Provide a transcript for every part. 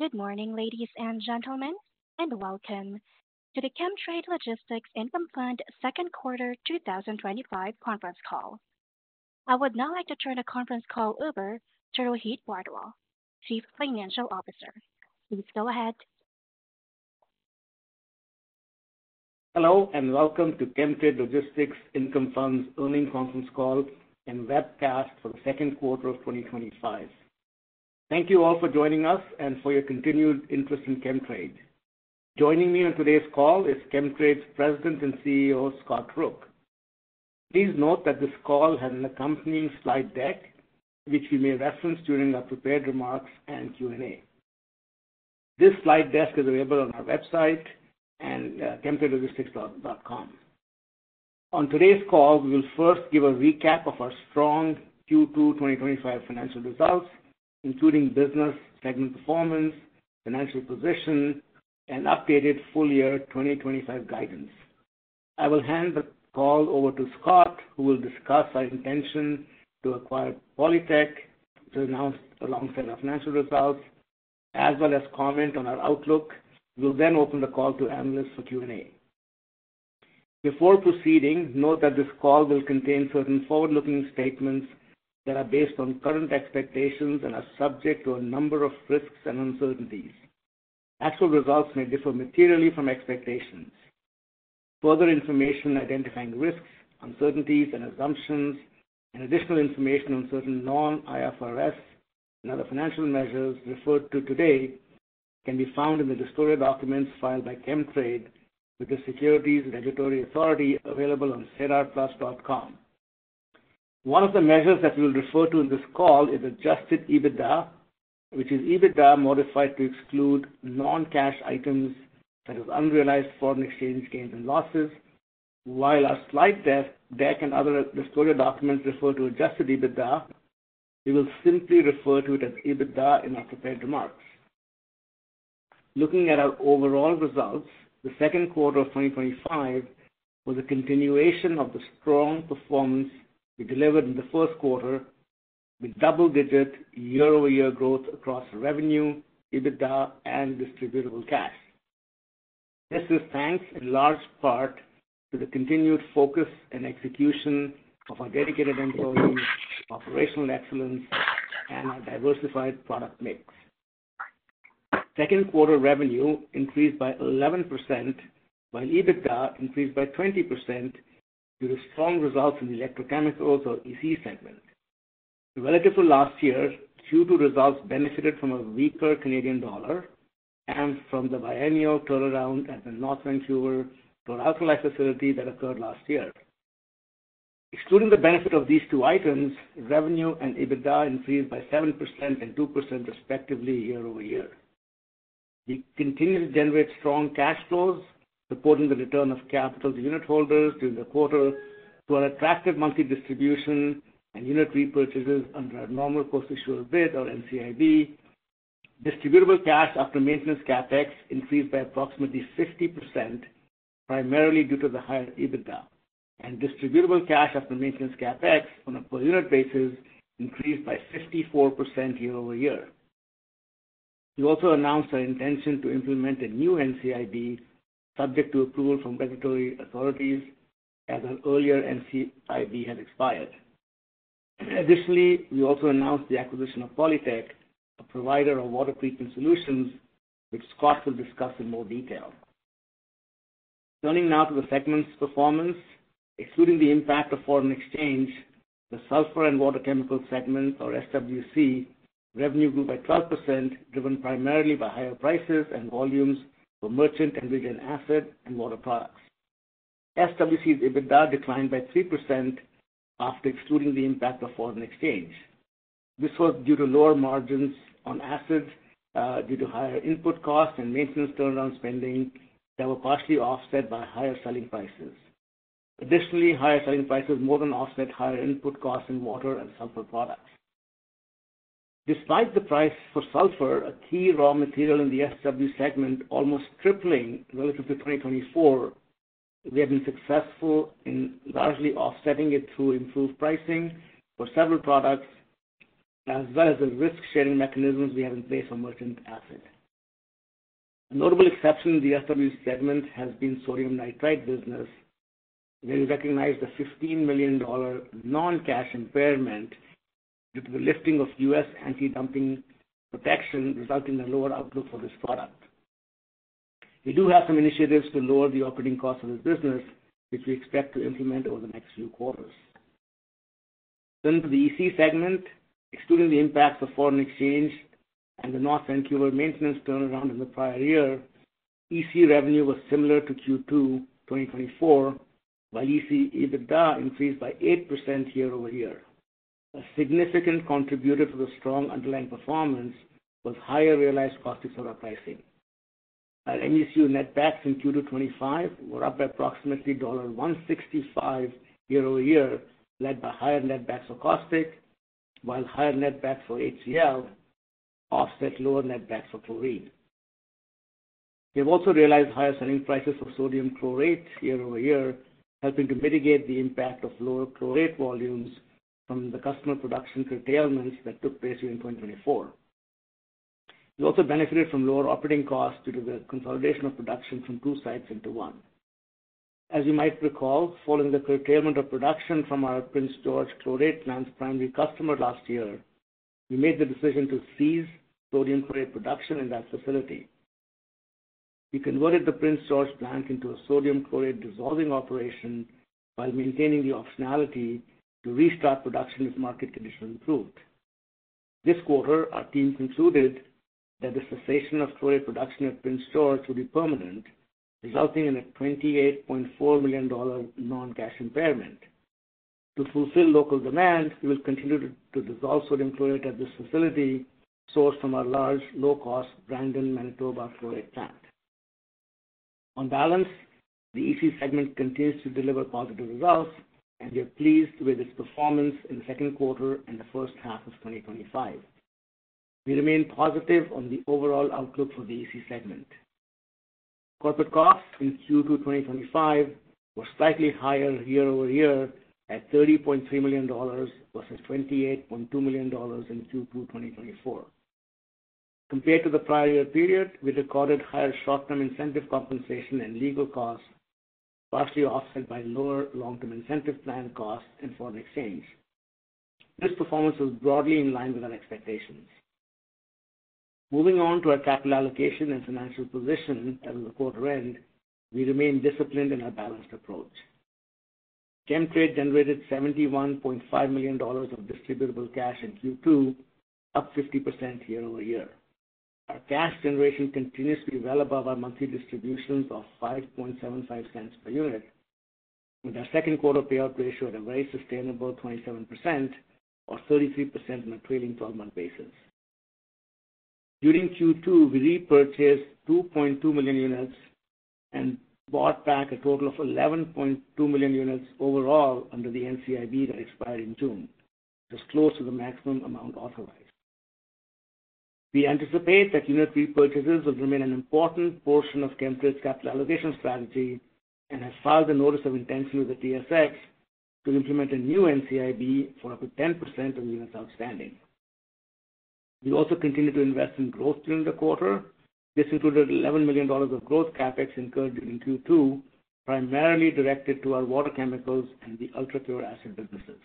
Good morning, ladies and gentlemen, and welcome to the Chemtrade Logistics Income Fund's Second Quarter 2025 Conference Call. I would now like to turn the conference call over to Rohit Bhardwaj, Chief Financial Officer. Please go ahead. Hello and welcome to Chemtrade Logistics Income Fund's Earnings Conference Call and Webcast for the Second Quarter of 2025. Thank you all for joining us and for your continued interest in Chemtrade. Joining me on today's call is Chemtrade's President and CEO, Scott Rook. Please note that this call has an accompanying slide deck, which we may reference during our prepared remarks and Q&A. This slide deck is available on our website at chemtradelogistics.com. On today's call, we will first give a recap of our strong Q2 2025 financial results, including business segment performance, financial position, and updated full-year 2025 guidance. I will hand the call over to Scott, who will discuss our intention to acquire Polytec to announce alongside our financial results, as well as comment on our outlook. We'll then open the call to analysts for Q&A. Before proceeding, note that this call will contain certain forward-looking statements that are based on current expectations and are subject to a number of risks and uncertainties. Actual results may differ materially from expectations. Further information identifying risks, uncertainties, and assumptions, and additional information on certain non-IFRS and other financial measures referred to today can be found in the disclosure documents filed by Chemtrade with the Securities Regulatory Authority available on SEDAR+.com. One of the measures that we will refer to in this call is adjusted EBITDA, which is EBITDA modified to exclude non-cash items such as unrealized foreign exchange gains and losses. While our slide deck and other disclosure documents refer to adjusted EBITDA, we will simply refer to it as EBITDA in our prepared remarks. Looking at our overall results, the second quarter of 2025 was a continuation of the strong performance we delivered in the first quarter with double-digit year-over-year growth across revenue, EBITDA, and distributable cash. This is thanks in large part to the continued focus and execution of our dedicated employees, operational excellence, and our diversified product mix. Second quarter revenue increased by 11%, while EBITDA increased by 20% due to strong results in the electrochemicals or EC segment. Relative to last year, Q2 results benefited from a weaker Canadian dollar and from the biennial turnaround at the North Vancouver facility that occurred last year. Excluding the benefit of these two items, revenue and EBITDA increased by 7% and 2% respectively year-over-year. We continue to generate strong cash flows supporting the return of capital to unitholders during the quarter through our attractive monthly distribution and unit repurchases under our normal course issuer bid or NCIB. Distributable cash after maintenance CapEx increased by approximately 50%, primarily due to the higher EBITDA, and distributable cash after maintenance CapEx on a per unit basis increased by 54% year-over-year. We also announced our intention to implement a new NCIB subject to approval from regulatory authorities as our earlier NCIB had expired. Additionally, we also announced the acquisition of Polytec, a provider of water treatment solutions, which Scott will discuss in more detail. Turning now to the segments' performance, excluding the impact of foreign exchange, the sulfur and water chemicals segment, or SWC, revenue grew by 12%, driven primarily by higher prices and volumes for merchant and regen acid and water products. SWC's EBITDA declined by 3% after excluding the impact of foreign exchange. This was due to lower margins on acids due to higher input costs and maintenance turnaround spending that were partially offset by higher selling prices. Additionally, higher selling prices more than offset higher input costs in water and sulfur products. Despite the price for sulfur, a key raw material in the SWC segment, almost tripling relative to 2024, we have been successful in largely offsetting it through improved pricing for several products, as well as the risk-sharing mechanisms we have in place for merchant acid. A notable exception in the SWC segment has been the sodium nitrite business, where we recognized the $15 million non-cash impairment due to the lifting of U.S. anti-dumping protection resulting in a lower outlook for this product. We do have some initiatives to lower the operating costs of this business, which we expect to implement over the next few quarters. For the EC segment, excluding the impacts of foreign exchange and the North Vancouver maintenance turnaround in the prior year, EC revenue was similar to Q2 2024, while EC EBITDA increased by 8% year-over-year. A significant contributor to the strong underlying performance was higher realized caustic soda pricing. Our MECU net backs in Q2 2025 were up by approximately $1.165 year-over-year, led by higher net backs for caustic, while higher net backs for HCl offset lower net backs for chlorine. We have also realized higher selling prices for sodium chlorate year-over-year, helping to mitigate the impact of lower chlorate volumes from the customer production curtailments that took place here in 2024. We also benefited from lower operating costs due to the consolidation of production from two sites into one. As you might recall, following the curtailment of production from our Prince George chlorate plant's primary customer last year, we made the decision to cease sodium chlorate production in that facility. We converted the Prince George plant into a sodium chlorate dissolving operation while maintaining the optionality to restart production if market conditions improved. This quarter, our team concluded that the cessation of chlorate production at Prince George would be permanent, resulting in a $28.4 million non-cash impairment. To fulfill local demand, we will continue to dissolve sodium chlorate at this facility sourced from our large low-cost Brandon, Manitoba chlorate plant. On balance, the EC segment continues to deliver positive results, and we are pleased with its performance in the second quarter and the first half of 2025. We remain positive on the overall outlook for the EC segment. Corporate costs in Q2 2025 were slightly higher year-over-year at $30.3 million versus $28.2 million in Q2 2024. Compared to the prior year period, we recorded higher short-term incentive compensation and legal costs, partially offset by lower long-term incentive plan costs and foreign exchange. This performance is broadly in line with our expectations. Moving on to our capital allocation and financial position at the quarter end, we remain disciplined in our balanced approach. Chemtrade generated $71.5 million of distributable cash in Q2, up 50% year-over-year. Our cash generation continues to be well above our monthly distribution of $0.0575 per unit, and our second quarter payout ratio at a very sustainable 27% or 33% on a trailing 12-month basis. During Q2, we repurchased 2.2 million units and bought back a total of 11.2 million units overall under the NCIB that expired in June, just close to the maximum amount authorized. We anticipate that unit repurchases will remain an important portion of Chemtrade's capital allocation strategy and have filed the notice of intention with the TSX to implement a new NCIB for up to 10% of units outstanding. We also continue to invest in growth during the quarter. This included $11 million of growth CapEx incurred during Q2, primarily directed to our water chemicals and the ultra-pure acid businesses.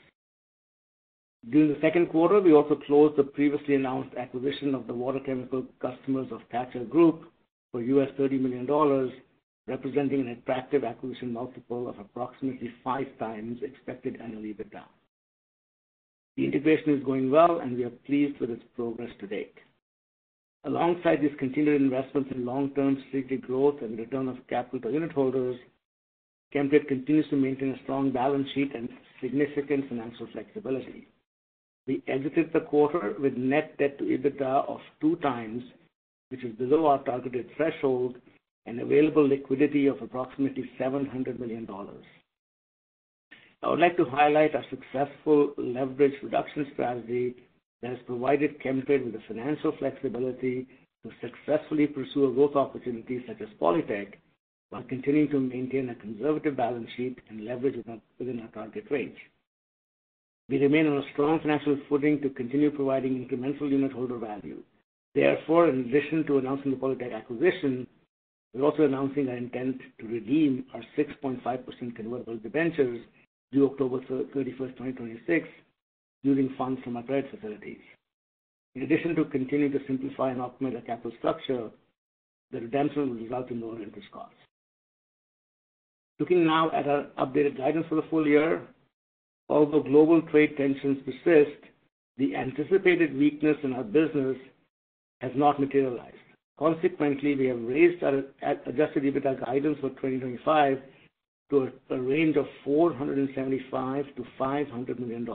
During the second quarter, we also closed the previously announced acquisition of the water chemical customers of Thatcher Group for [US]$30 million, representing an attractive acquisition multiple of approximately 5x expected annual EBITDA. The integration is going well, and we are pleased with its progress to date. Alongside these continued investments in long-term strategic growth and return of capital to unitholders, Chemtrade continues to maintain a strong balance sheet and significant financial flexibility. We exited the quarter with net debt to EBITDA of 2x, which is below our targeted threshold, and available liquidity of approximately $700 million. I would like to highlight our successful leverage reduction strategy that has provided Chemtrade with the financial flexibility to successfully pursue a growth opportunity such as Polytec, while continuing to maintain a conservative balance sheet and leverage within our target range. We remain on a strong financial footing to continue providing incremental unitholder value. Therefore, in addition to announcing the Polytec acquisition, we're also announcing our intent to redeem our 6.5% convertible debentures due October 31, 2026, using funds from our credit facilities. In addition to continuing to simplify and optimize our capital structure, the redemption will result in lower interest costs. Looking now at our updated guidance for the full year, although global trade tensions persist, the anticipated weakness in our business has not materialized. Consequently, we have raised our adjusted EBITDA guidance for 2025 to a range of $475 million-$500 million.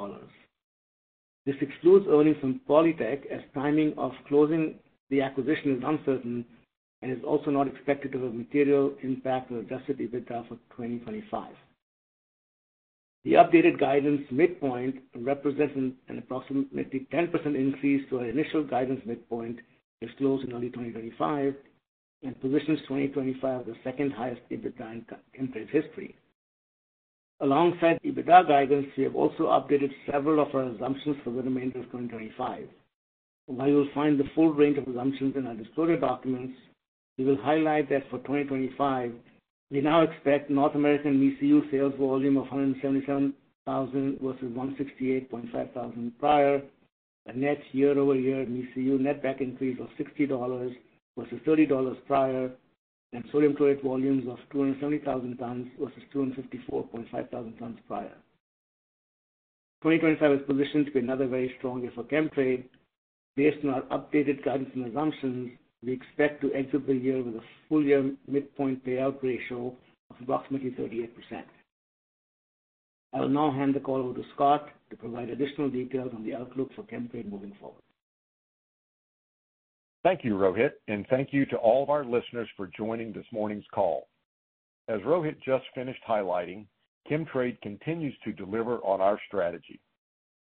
This excludes earnings from Polytec as timing of closing the acquisition is uncertain and is also not expected to have a material impact on adjusted EBITDA for 2025. The updated guidance midpoint represents an approximately 10% increase to our initial guidance midpoint, which closed in early 2025, and positions 2025 as the second highest EBITDA in Chemtrade's history. Alongside EBITDA guidance, we have also updated several of our assumptions for the remainder of 2025. While you'll find the full range of assumptions in our disclosure documents, we will highlight that for 2025, we now expect North American MECU sales volume of 170,000 versus 168,500 prior, a net year-over-year MECU net back increase of $60 versus $30 prior, and sodium chlorate volumes of 270,000 tons versus 254,500 tons prior. 2025 is positioned to be another very strong year for Chemtrade based on our updated guidance and assumptions. We expect to exit the year with a full-year midpoint payout ratio of approximately 38%. I will now hand the call over to Scott to provide additional details on the outlook for Chemtrade moving forward. Thank you, Rohit, and thank you to all of our listeners for joining this morning's call. As Rohit just finished highlighting, Chemtrade continues to deliver on our strategy.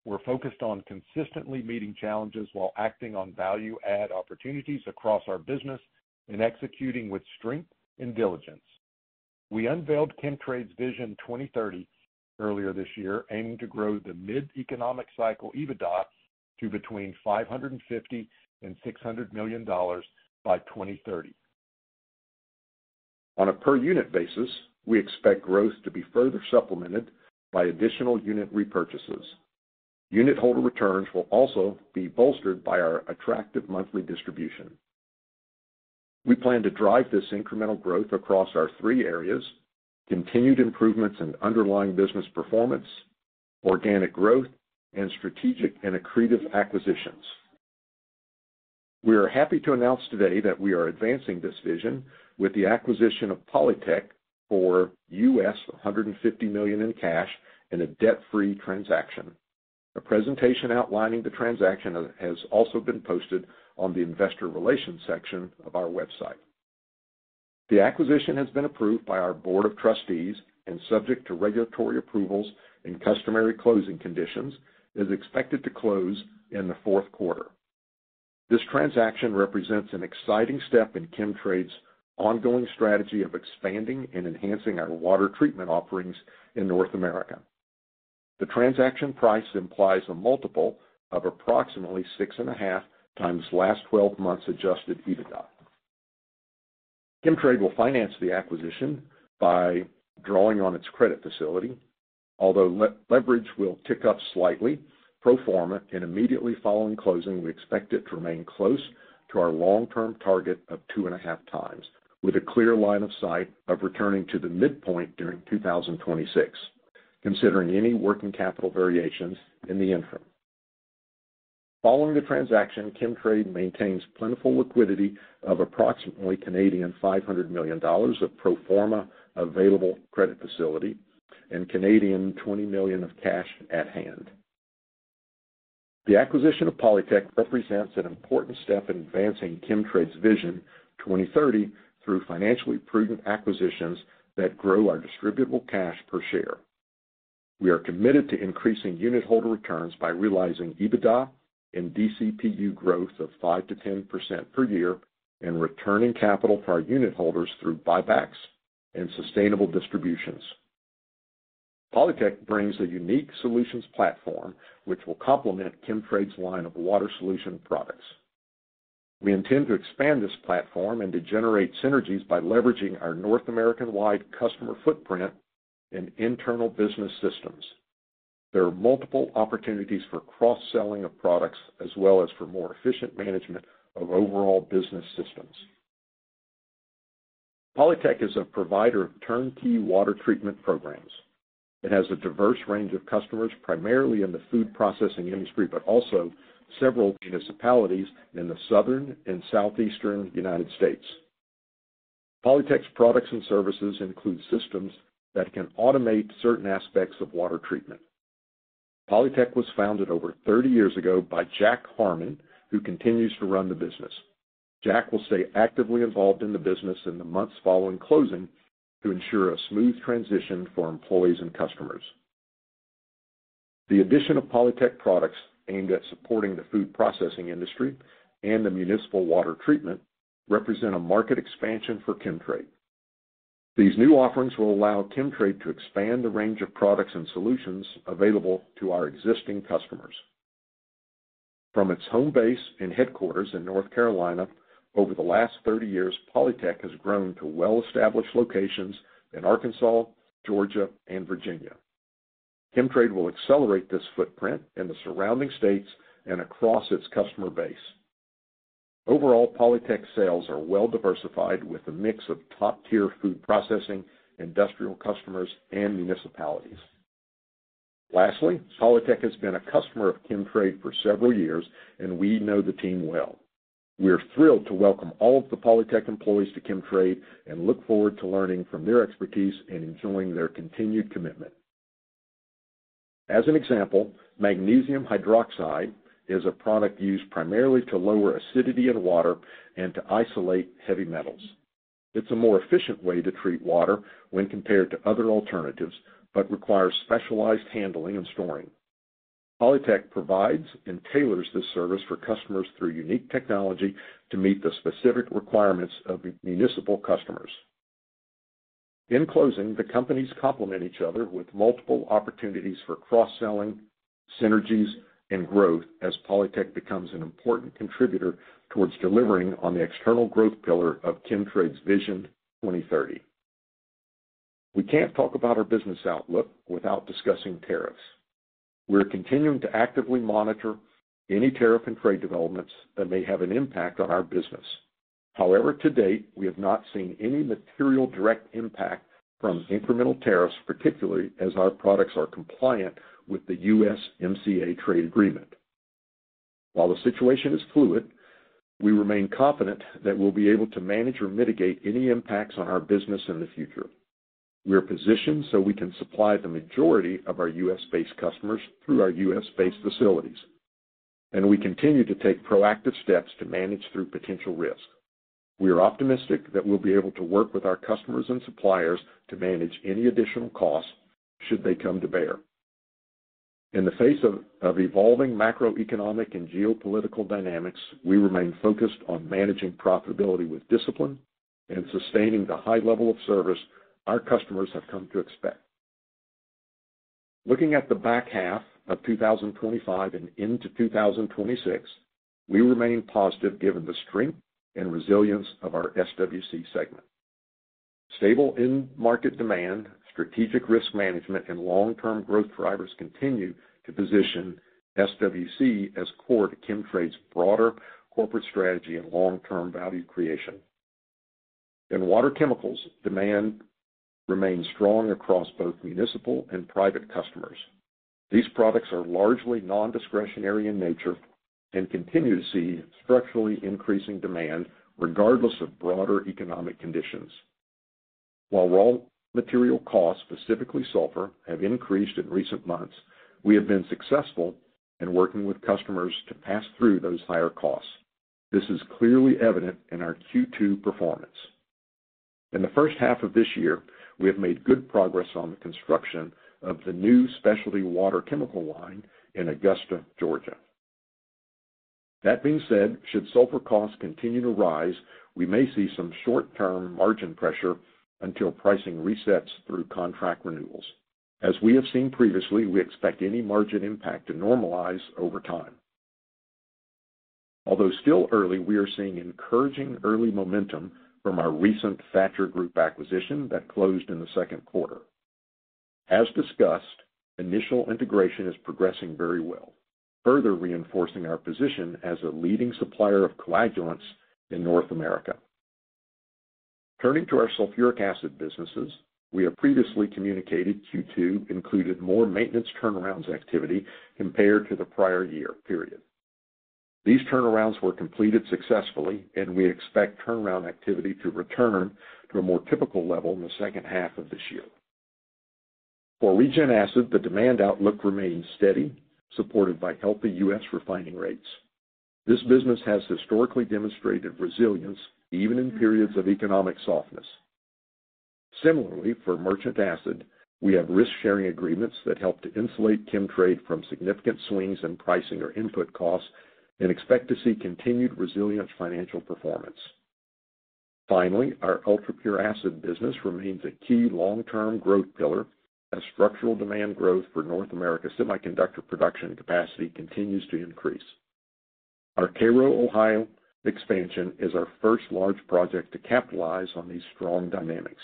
We're focused on consistently meeting challenges while acting on value-add opportunities across our business and executing with strength and diligence. We unveiled Chemtrade's Vision 2030 earlier this year, aiming to grow the mid-economic cycle EBITDA to between $550 million and $600 million by 2030. On a per unit basis, we expect growth to be further supplemented by additional unit repurchases. Unit holder returns will also be bolstered by our attractive monthly distribution. We plan to drive this incremental growth across our three areas: continued improvements in underlying business performance, organic growth, and strategic and accretive acquisitions. We are happy to announce today that we are advancing this vision with the acquisition of Polytec for $150 million in cash in a debt-free transaction. A presentation outlining the transaction has also been posted on the Investor Relations section of our website. The acquisition has been approved by our Board of Trustees and, subject to regulatory approvals and customary closing conditions, is expected to close in the fourth quarter. This transaction represents an exciting step in Chemtrade's ongoing strategy of expanding and enhancing our water treatment offerings in North America. The transaction price implies a multiple of approximately 6.5x last 12 months' adjusted EBITDA. Chemtrade will finance the acquisition by drawing on its credit facility. Although leverage will tick up slightly, pro forma and immediately following closing, we expect it to remain close to our long-term target of 2.5x, with a clear line of sight of returning to the midpoint during 2026, considering any working capital variations in the interim. Following the transaction, Chemtrade maintains plentiful liquidity of approximately 500 million Canadian dollars of pro forma available credit facility and 20 million Canadian dollars of cash at hand. The acquisition of Polytec represents an important step in advancing Chemtrade's Vision 2030 through financially prudent acquisitions that grow our distributable cash per share. We are committed to increasing unit holder returns by realizing EBITDA and DCPU growth of 5%-10% per year and returning capital to our unit holders through buybacks and sustainable distributions. Polytec brings a unique solutions platform, which will complement Chemtrade's line of water solution products. We intend to expand this platform and to generate synergies by leveraging our North American-wide customer footprint and internal business systems. There are multiple opportunities for cross-selling of products, as well as for more efficient management of overall business systems. Polytec is a provider of turnkey water treatment programs. It has a diverse range of customers, primarily in the food processing industry, but also several municipalities in the Southern and Southeastern United States. Polytec's products and services include systems that can automate certain aspects of water treatment. Polytec was founded over 30 years ago by Jack Harmon, who continues to run the business. Jack will stay actively involved in the business in the months following closing to ensure a smooth transition for employees and customers. The addition of Polytec products aimed at supporting the food processing industry and the municipal water treatment represents a market expansion for Chemtrade. These new offerings will allow Chemtrade to expand the range of products and solutions available to our existing customers. From its home base and headquarters in North Carolina, over the last 30 years, Polytec has grown to well-established locations in Arkansas, Georgia, and Virginia. Chemtrade will accelerate this footprint in the surrounding states and across its customer base. Overall, Polytec sales are well diversified, with a mix of top-tier food processing, industrial customers, and municipalities. Lastly, Polytec has been a customer of Chemtrade for several years, and we know the team well. We are thrilled to welcome all of the Polytec employees to Chemtrade and look forward to learning from their expertise and enjoying their continued commitment. As an example, magnesium hydroxide is a product used primarily to lower acidity in water and to isolate heavy metals. It's a more efficient way to treat water when compared to other alternatives, but requires specialized handling and storing. Polytec provides and tailors this service for customers through unique technology to meet the specific requirements of municipal customers. In closing, the companies complement each other with multiple opportunities for cross-selling, synergies, and growth as Polytec becomes an important contributor towards delivering on the external growth pillar of Chemtrade's Vision 2030. We can't talk about our business outlook without discussing tariffs. We're continuing to actively monitor any tariff and trade developments that may have an impact on our business. However, to date, we have not seen any material direct impact from incremental tariffs, particularly as our products are compliant with the USMCA trade agreement. While the situation is fluid, we remain confident that we'll be able to manage or mitigate any impacts on our business in the future. We are positioned so we can supply the majority of our U.S.-based customers through our U.S.-based facilities, and we continue to take proactive steps to manage through potential risk. We are optimistic that we'll be able to work with our customers and suppliers to manage any additional costs should they come to bear. In the face of evolving macroeconomic and geopolitical dynamics, we remain focused on managing profitability with discipline and sustaining the high level of service our customers have come to expect. Looking at the back half of 2025 and into 2026, we remain positive given the strength and resilience of our SWC segment. Stable in-market demand, strategic risk management, and long-term growth drivers continue to position SWC as core to Chemtrade's broader corporate strategy and long-term value creation. In water chemicals, demand remains strong across both municipal and private customers. These products are largely non-discretionary in nature and continue to see structurally increasing demand regardless of broader economic conditions. While raw material costs, specifically sulfur, have increased in recent months, we have been successful in working with customers to pass through those higher costs. This is clearly evident in our Q2 performance. In the first half of this year, we have made good progress on the construction of the new specialty water chemical line in Augusta, Georgia. That being said, should sulfur costs continue to rise, we may see some short-term margin pressure until pricing resets through contract renewals. As we have seen previously, we expect any margin impact to normalize over time. Although still early, we are seeing encouraging early momentum from our recent Thatcher Group acquisition that closed in the second quarter. As discussed, initial integration is progressing very well, further reinforcing our position as a leading supplier of coagulants in North America. Turning to our sulfuric acid businesses, we have previously communicated Q2 included more maintenance turnarounds activity compared to the prior year period. These turnarounds were completed successfully, and we expect turnaround activity to return to a more typical level in the second half of this year. For Regen Acid, the demand outlook remains steady, supported by healthy U.S. refining rates. This business has historically demonstrated resilience even in periods of economic softness. Similarly, for Merchant Acid, we have risk-sharing agreements that help to insulate Chemtrade from significant swings in pricing or input costs and expect to see continued resilient financial performance. Finally, our ultra-pure acid business remains a key long-term growth pillar, as structural demand growth for North America's semiconductor production capacity continues to increase. Our Cairo, Ohio, expansion is our first large project to capitalize on these strong dynamics.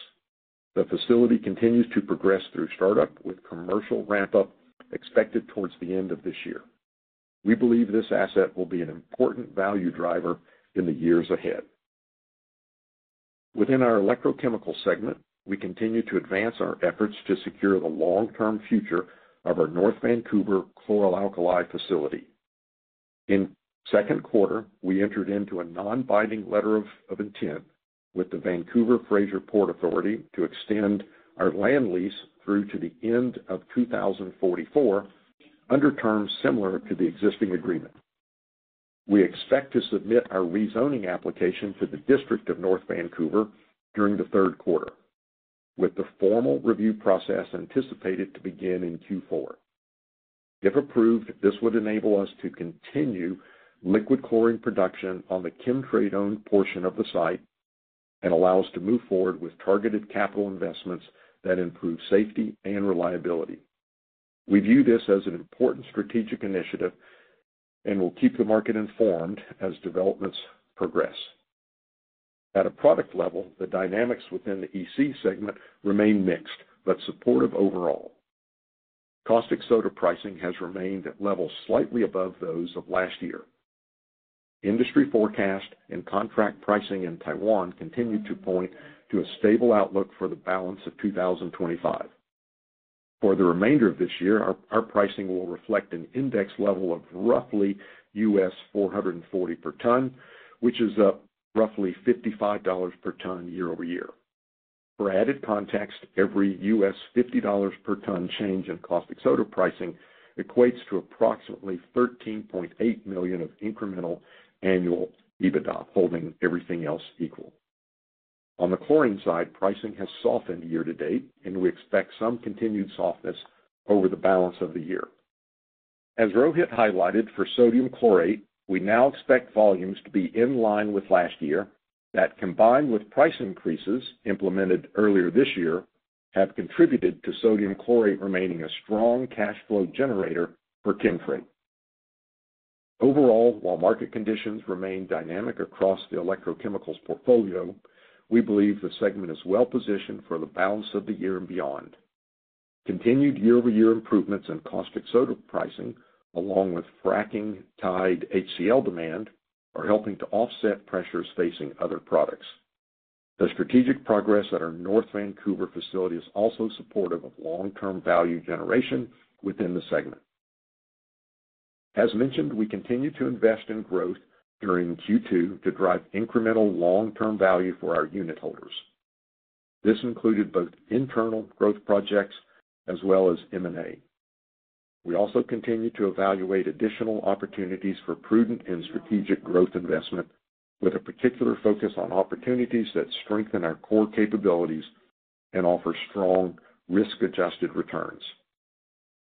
The facility continues to progress through startup with commercial ramp-up expected towards the end of this year. We believe this asset will be an important value driver in the years ahead. Within our electrochemical segment, we continue to advance our efforts to secure the long-term future of our North Vancouver chlor-alkali facility. In the second quarter, we entered into a non-binding letter of intent with the Vancouver Fraser Port Authority to extend our land lease through to the end of 2044 under terms similar to the existing agreement. We expect to submit our rezoning application to the District of North Vancouver during the third quarter, with the formal review process anticipated to begin in Q4. If approved, this would enable us to continue liquid chlorine production on the Chemtrade-owned portion of the site and allow us to move forward with targeted capital investments that improve safety and reliability. We view this as an important strategic initiative and will keep the market informed as developments progress. At a product level, the dynamics within the EC segment remain mixed but supportive overall. Caustic soda pricing has remained at levels slightly above those of last year. Industry forecast and contract pricing in Taiwan continue to point to a stable outlook for the balance of 2025. For the remainder of this year, our pricing will reflect an index level of roughly US $440 per ton, which is up roughly $55 per ton year-over-year. For added context, every US $50 per ton change in caustic soda pricing equates to approximately $13.8 million of incremental annual EBITDA, holding everything else equal. On the chlorine side, pricing has softened year to date, and we expect some continued softness over the balance of the year. As Rohit highlighted, for sodium chlorate, we now expect volumes to be in line with last year that, combined with price increases implemented earlier this year, have contributed to sodium chlorate remaining a strong cash flow generator for Chemtrade. Overall, while market conditions remain dynamic across the electrochemicals portfolio, we believe the segment is well positioned for the balance of the year and beyond. Continued year-over-year improvements in caustic soda pricing, along with fracking-tied HCl demand, are helping to offset pressures facing other products. The strategic progress at our North Vancouver facility is also supportive of long-term value generation within the segment. As mentioned, we continue to invest in growth during Q2 to drive incremental long-term value for our unitholders. This included both internal growth projects as well as M&A. We also continue to evaluate additional opportunities for prudent and strategic growth investment, with a particular focus on opportunities that strengthen our core capabilities and offer strong risk-adjusted returns.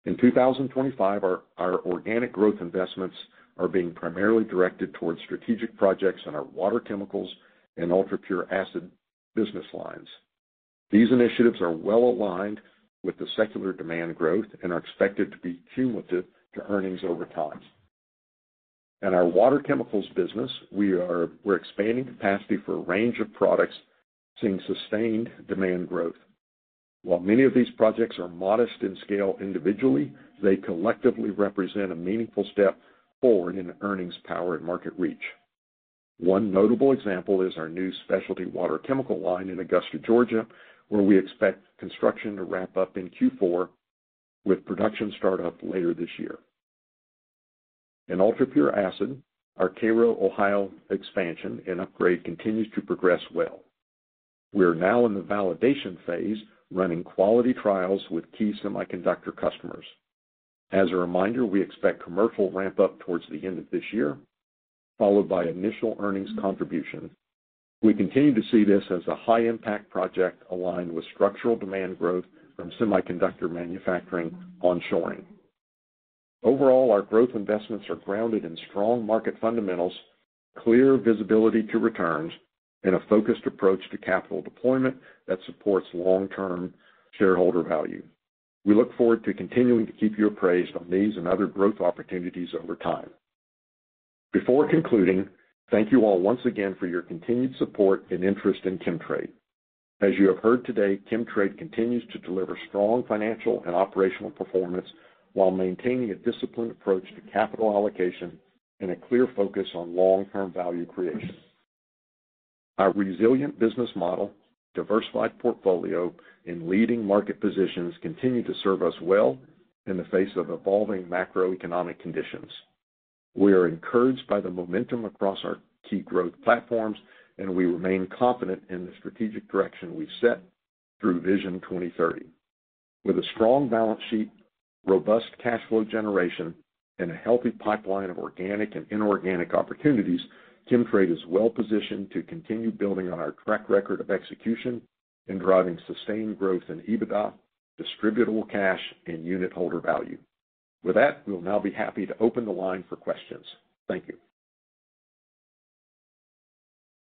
In 2025, our organic growth investments are being primarily directed towards strategic projects in our water chemicals and ultra-pure acid business lines. These initiatives are well aligned with the secular demand growth and are expected to be cumulative to earnings over time. In our Water Chemicals business, we are expanding capacity for a range of products, seeing sustained demand growth. While many of these projects are modest in scale individually, they collectively represent a meaningful step forward in earnings power and market reach. One notable example is our new specialty water chemical line in Augusta, Georgia, where we expect construction to wrap up in Q4 with production startup later this year. In ultra-pure acid, our Cairo, Ohio expansion and upgrade continue to progress well. We are now in the validation phase, running quality trials with key semiconductor customers. As a reminder, we expect commercial ramp-up towards the end of this year, followed by initial earnings contribution. We continue to see this as a high-impact project aligned with structural demand growth from semiconductor manufacturing onshoring. Overall, our growth investments are grounded in strong market fundamentals, clear visibility to returns, and a focused approach to capital deployment that supports long-term shareholder value. We look forward to continuing to keep you apprised on these and other growth opportunities over time. Before concluding, thank you all once again for your continued support and interest in Chemtrade. As you have heard today, Chemtrade continues to deliver strong financial and operational performance while maintaining a disciplined approach to capital allocation and a clear focus on long-term value creation. Our resilient business model, diversified portfolio, and leading market positions continue to serve us well in the face of evolving macroeconomic conditions. We are encouraged by the momentum across our key growth platforms, and we remain confident in the strategic direction we've set through Vision 2030. With a strong balance sheet, robust cash flow generation, and a healthy pipeline of organic and inorganic opportunities, Chemtrade is well positioned to continue building on our track record of execution and driving sustained growth in EBITDA, distributable cash, and unitholder value. With that, we will now be happy to open the line for questions. Thank you.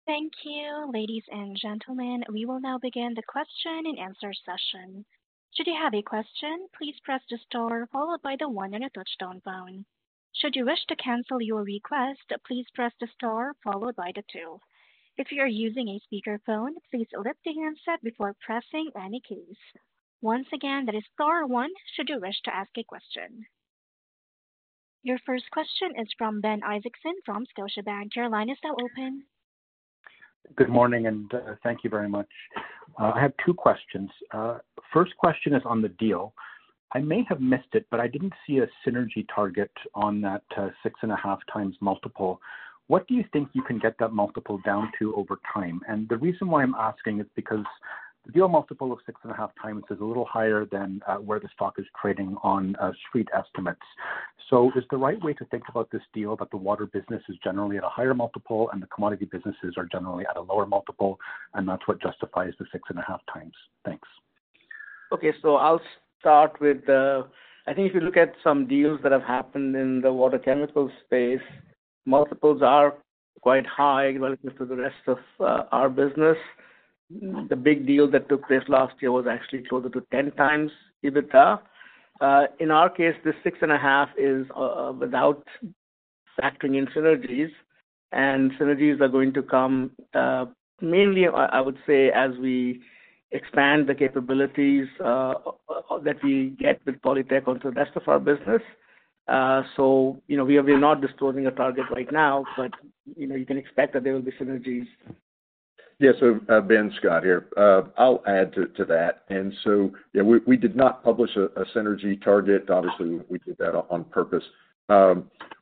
Thank you, ladies and gentlemen. We will now begin the question and answer session. Should you have a question, please press the star followed by the one on your touch-tone phone. Should you wish to cancel your request, please press the star followed by the two. If you are using a speakerphone, please lift the handset before pressing any keys. Once again, that is star one should you wish to ask a question. Your first question is from Ben Isaacson from Scotiaban. The line is now open. Good morning, and thank you very much. I have two questions. First is on the deal. I may have missed it, but I didn't see a synergy target on that 6.5x x. What do you think you can get that multiple down to over time? The reason why I'm asking is because the deal multiple of 6.5x is a little higher than where the stock is trading on street estimates. Is the right way to think about this deal that the water business is generally at a higher multiple and the commodity businesses are generally at a lower multiple? That's what justifies the 6.5x. Thanks. Okay, if you look at some deals that have happened in the water chemical space, multiples are quite high relative to the rest of our business. The big deal that took place last year was actually closer to 10x EBITDA. In our case, the 6.5x is without factoring in synergies, and synergies are going to come mainly, I would say, as we expand the capabilities that we get with Polytec onto the rest of our business. We are not disclosing a target right now, but you can expect that there will be synergies. Yeah, so Ben, Scott here. I'll add to that. We did not publish a synergy target. Obviously, we did that on purpose.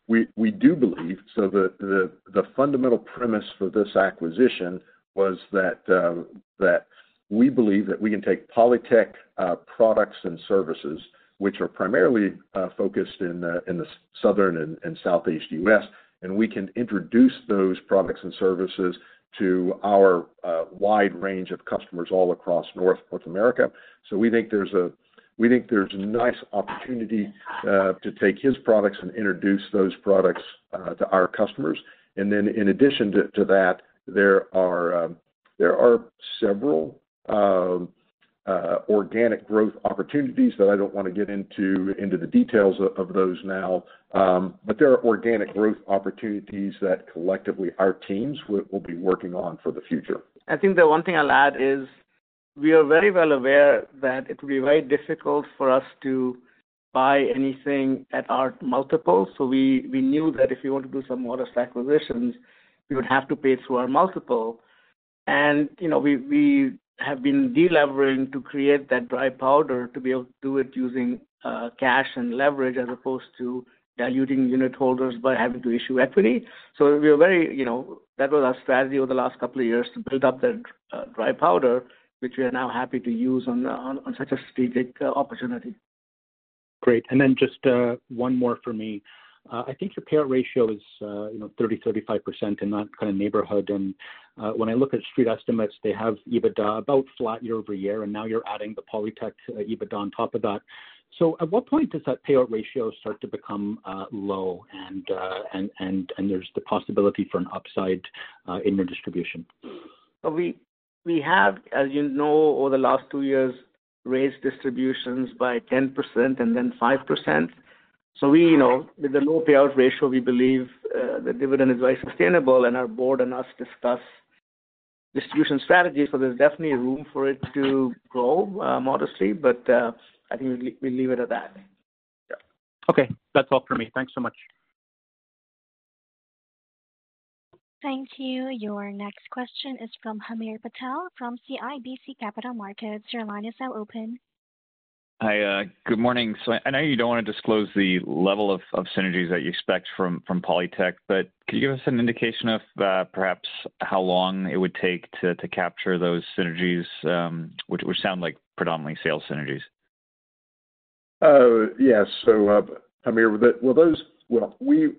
We do believe the fundamental premise for this acquisition was that we believe we can take Polytec products and services, which are primarily focused in the southern and southeast U.S., and we can introduce those products and services to our wide range of customers all across North America. We think there's a nice opportunity to take his products and introduce those products to our customers. In addition to that, there are several organic growth opportunities that I don't want to get into the details of now, but there are organic growth opportunities that collectively our teams will be working on for the future. I think the one thing I'll add is we are very well aware that it would be very difficult for us to buy anything at our multiple. We knew that if you want to do some water acquisitions, you would have to pay through our multiple. We have been deleveraging to create that dry powder to be able to do it using cash and leverage as opposed to diluting unit holders by having to issue equity. That was our strategy over the last couple of years to build up that dry powder, which we are now happy to use on such a strategic opportunity. Great. Just one more for me. I think your payout ratio is, you know, 30, 35% in that kind of neighborhood. When I look at street estimates, they have EBITDA about flat year-over-year, and now you're adding the Polytec EBITDA on top of that. At what point does that payout ratio start to become low and there's the possibility for an upside in your distribution? As you know, over the last two years, we have raised distributions by 10% and then 5%. With the low payout ratio, we believe the dividend is very sustainable, and our board and us discuss distribution strategy. There is definitely room for it to grow modestly, but I think we leave it at that. Okay, that's all for me. Thanks so much. Thank you. Your next question is from Hamir Patel from CIBC Capital Markets. Your line is now open. Hi, good morning. I know you don't want to disclose the level of synergies that you expect from Polytec, but could you give us an indication of perhaps how long it would take to capture those synergies, which sound like predominantly sales synergies? Yes, Hamir,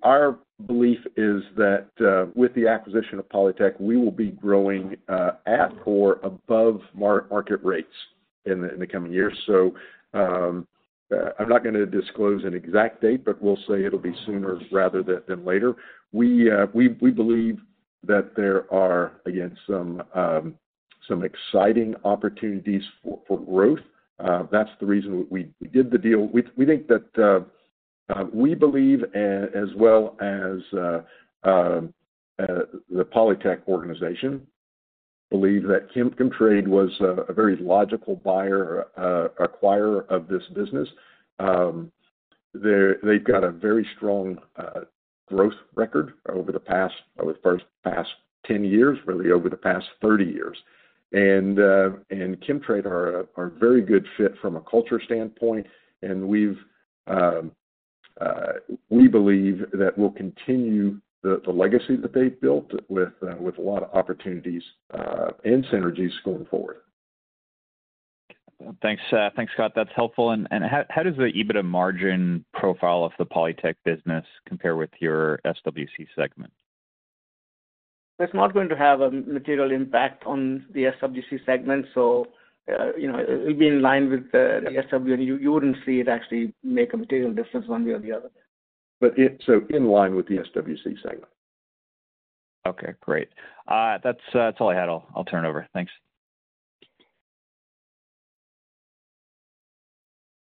our belief is that with the acquisition of Polytec, we will be growing at or above market rates in the coming year. I'm not going to disclose an exact date, but we'll say it'll be sooner rather than later. We believe that there are, again, some exciting opportunities for growth. That's the reason we did the deal. We think that we believe, as well as the Polytec organization, believe that Chemtrade was a very logical buyer or acquirer of this business. They've got a very strong growth record over the past, over the first past 10 years, really over the past 30 years. Chemtrade are a very good fit from a culture standpoint, and we believe that we'll continue the legacy that they've built with a lot of opportunities and synergies going forward. Thanks, Scott. That's helpful. How does the EBITDA margin profile of the Polytec business compare with your SWC segment? It's not going to have a material impact on the SWC segment. It would be in line with the SWC, and you wouldn't see it actually make a material difference one way or the other. In line with the SWC segment. Okay, great. That's all I had. I'll turn it over. Thanks.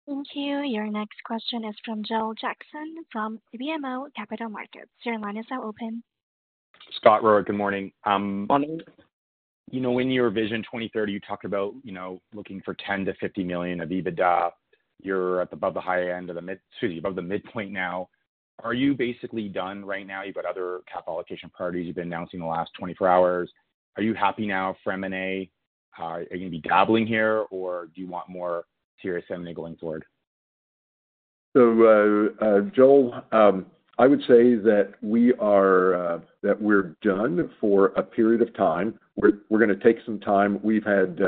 Thank you. Your next question is from Joel Jackson from BMO [audio distortio Your line is now open. Scott, Rohit, good morning. In your Vision 2030, you talked about looking for $10 million-$50 million of EBITDA. You're above the midpoint now. Are you basically done right now? You've got other capital allocation priorities you've been announcing in the last 24 hours. Are you happy now for M&A? Are you going to be dabbling here, or do you want more serious M&A going forward? Joel, I would say that we are done for a period of time. We're going to take some time. We've had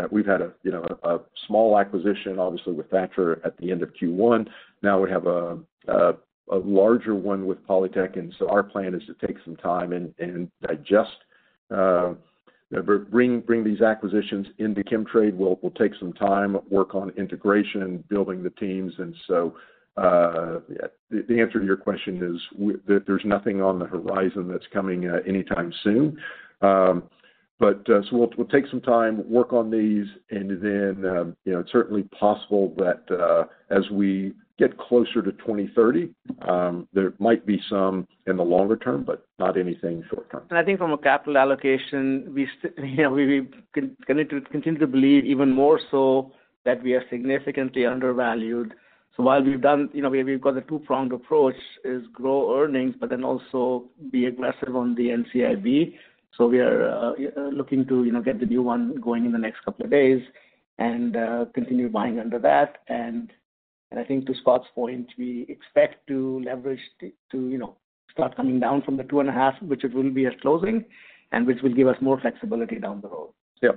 a small acquisition, obviously, with Thatcher at the end of Q1. Now we have a larger one with Polytec, and our plan is to take some time and just bring these acquisitions into Chemtrade. We'll take some time, work on integration, building the teams. The answer to your question is that there's nothing on the horizon that's coming anytime soon. We'll take some time, work on these, and then, you know, it's certainly possible that as we get closer to 2030, there might be some in the longer term, but not anything short term. From a capital allocation perspective, we continue to believe even more so that we are significantly undervalued. We've got a two-pronged approach: grow earnings, but also be aggressive on the NCIB. We are looking to get the new one going in the next couple of days and continue buying under that. To Scott's point, we expect leverage to start coming down from the 2.5, which it will be at closing, and that will give us more flexibility down the road. Yeah.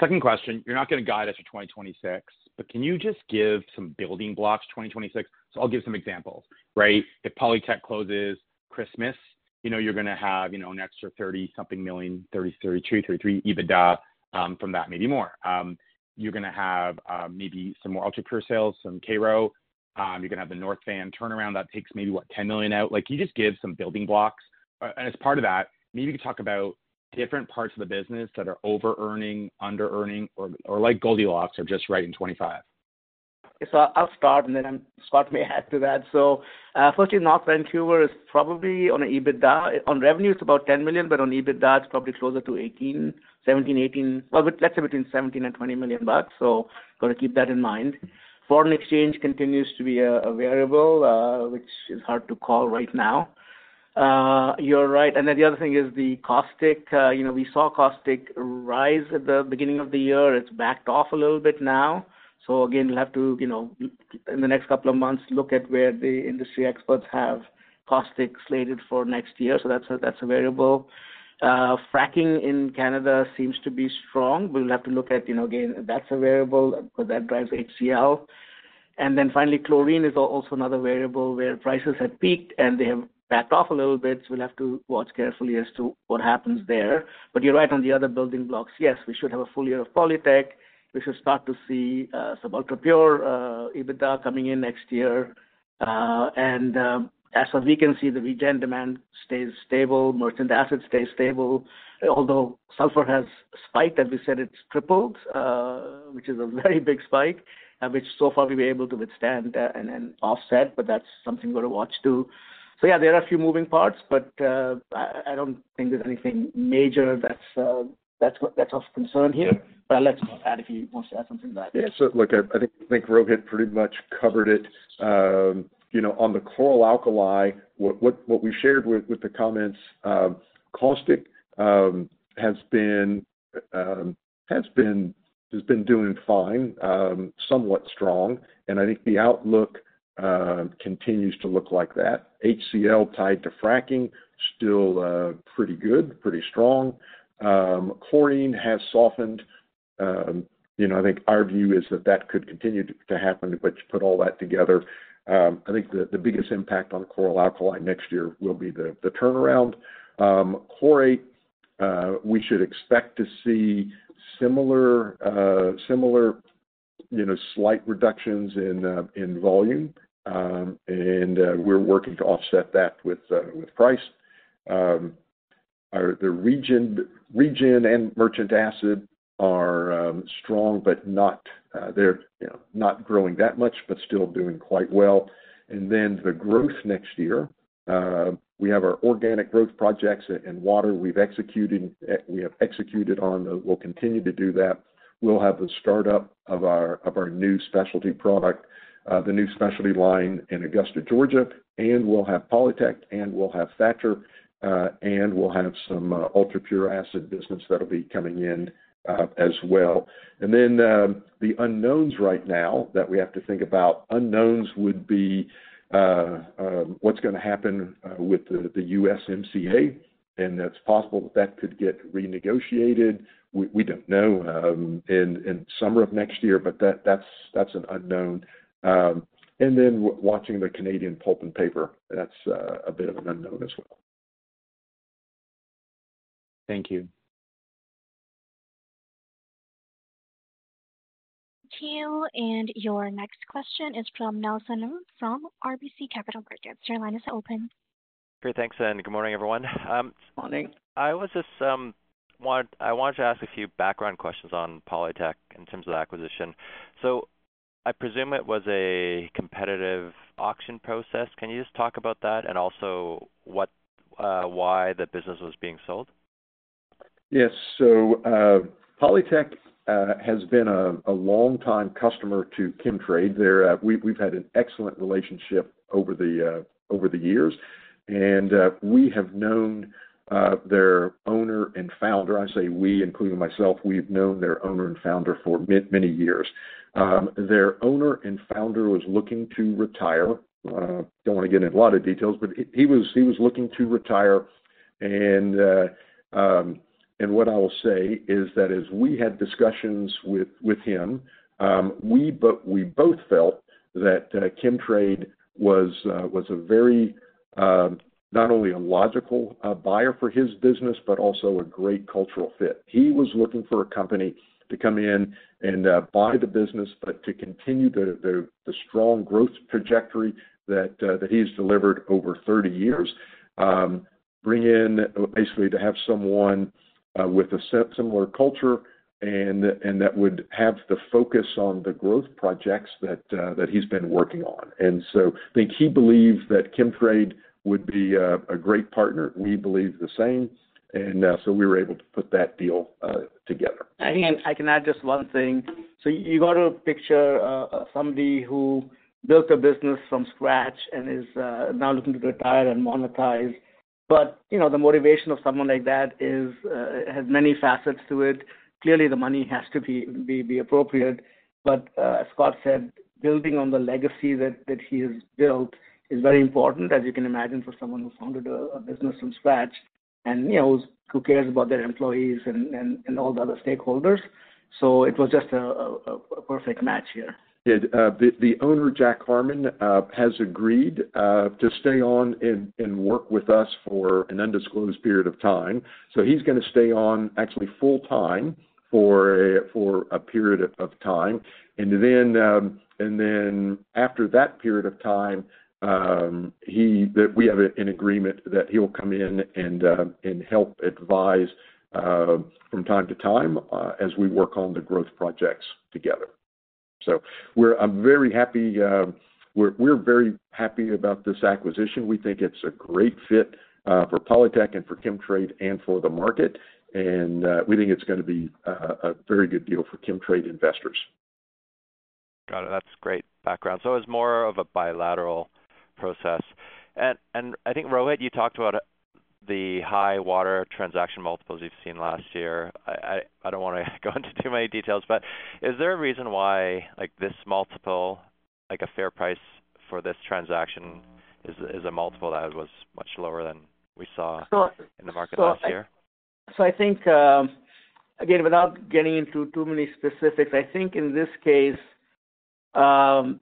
Second question, you're not going to guide us for 2026, but can you just give some building blocks for 2026? I'll give some examples, right? If Polytec closes Christmas, you know, you're going to have an extra $30 million, $32 million, $33 million EBITDA from that, maybe more. You're going to have maybe some more ultra-pure sales from Cairo. You're going to have the North Van turnaround that takes maybe, what, $10 million out. Can you just give some building blocks? As part of that, maybe you could talk about different parts of the business that are over-earning, under-earning, or like Goldilocks or just right in 2025. I'll start, and then Scott may add to that. Firstly, North Vancouver is probably on an EBITDA. On revenue, it's about $10 million, but on EBITDA, it's probably closer to $18 million, $17 million, $18 million. Let's say between $17 million and $20 million. I've got to keep that in mind. Foreign exchange continues to be a variable, which is hard to call right now. You're right. The other thing is the caustic. We saw caustic rise at the beginning of the year. It's backed off a little bit now. In the next couple of months, we'll have to look at where the industry experts have caustic slated for next year. That's a variable. Fracking in Canada seems to be strong. We'll have to look at, again, that's a variable that drives HCl. Finally, chlorine is also another variable where prices have peaked and they have backed off a little bit. We'll have to watch carefully as to what happens there. You're right on the other building blocks. Yes, we should have a full year of Polytec. We should start to see some ultra-pure EBITDA coming in next year. As we can see, the Regen demand stays stable. Merchant assets stay stable, although sulfur has spiked. As we said, it's tripled, which is a very big spike, which so far we were able to withstand and offset. That's something we're going to watch too. There are a few moving parts, but I don't think there's anything major that's of concern here. I'll let Scott add if he wants to add something to that. Yeah, so look, I think Rohit pretty much covered it. You know, on the chlor-alkali, what we shared with the comments, caustic has been doing fine, somewhat strong. I think the outlook continues to look like that. HCl tied to fracking, still pretty good, pretty strong. Chlorine has softened. I think our view is that that could continue to happen, but you put all that together. I think the biggest impact on the chlor-alkali next year will be the turnaround. Chlorate, we should expect to see similar, slight reductions in volume. We're working to offset that with price. The Regen and Merchant Acid are strong, but they're not growing that much, but still doing quite well. The growth next year, we have our organic growth projects and water we've executed. We have executed on. We'll continue to do that. We'll have the startup of our new specialty product, the new specialty line in Augusta, Georgia. We'll have Polytec, and we'll have Thatcher, and we'll have some ultra-pure acid business that'll be coming in as well. The unknowns right now that we have to think about, unknowns would be what's going to happen with the USMCA. It's possible that that could get renegotiated. We don't know in the summer of next year, but that's an unknown. Watching the Canadian pulp and paper, that's a bit of an unknown as well. Thank you. Thank you. Your next question is from Nelson [Armstrong] from RBC Capital Markets. Your line is open. Great, thanks. Good morning, everyone. Morning. I wanted to ask a few background questions on Polytec in terms of the acquisition. I presume it was a competitive auction process. Can you just talk about that and also why the business was being sold? Yes, so Polytec has been a long-time customer to Chemtrade. We've had an excellent relationship over the years, and we have known their owner and founder. I say we, including myself, we've known their owner and founder for many years. Their owner and founder was looking to retire. I don't want to get into a lot of details, but he was looking to retire. What I will say is that as we had discussions with him, we both felt that Chemtrade was a very, not only a logical buyer for his business, but also a great cultural fit. He was looking for a company to come in and buy the business, but to continue the strong growth trajectory that he's delivered over 30 years. Bring in basically to have someone with a similar culture and that would have the focus on the growth projects that he's been working on. I think he believed that Chemtrade would be a great partner. We believe the same, and we were able to put that deal together. I think I can add just one thing. You have to picture somebody who built a business from scratch and is now looking to retire and monetize. The motivation of someone like that has many facets to it. Clearly, the money has to be appropriate. As Scott said, building on the legacy that he has built is very important, as you can imagine, for someone who founded a business from scratch and who cares about their employees and all the other stakeholders. It was just a perfect match here. Yeah, the owner, Jack Harmon, has agreed to stay on and work with us for an undisclosed period of time. He's going to stay on actually full-time for a period of time. After that period of time, we have an agreement that he'll come in and help advise from time to time as we work on the growth projects together. We're very happy about this acquisition. We think it's a great fit for Polytec and for Chemtrade and for the market. We think it's going to be a very good deal for Chemtrade investors. Got it. That's great background. It was more of a bilateral process. I think, Rohit, you talked about the high water transaction multiples you've seen last year. I don't want to go into too many details, but is there a reason why this multiple, like a fair price for this transaction, is a multiple that was much lower than we saw in the market last year? I think, again, without getting into too many specifics, I think in this case, the